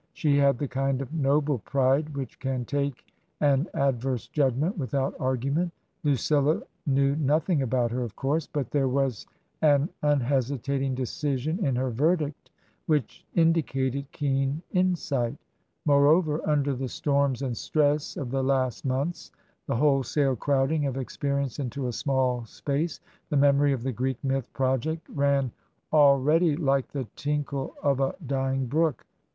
She had the kind of noble pride which can take an adverse judgment without argument Lucilla knew nothing about her, of course; but there was an unhesitating decision in her verdict which indicated keen insight Moreover, under the storms and stress of the last months — the wholesale crowding of experience into a small space — the memory of the Greek myth project ran already like the tinkle of a dying brook.